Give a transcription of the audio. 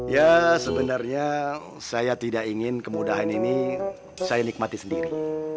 ya sebenarnya saya tidak ingin kemudahan ini saya nikmati sendiri